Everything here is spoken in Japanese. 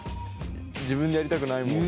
自分でやりたくないもん。